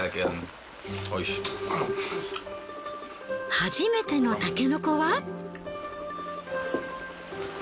初めてのタケノコは？